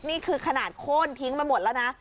นี่คือขนาดโค้นทิ้งไปหมดแล้วนะ